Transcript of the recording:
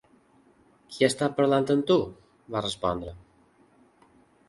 "Qui ha estat parlant amb tu?", va respondre.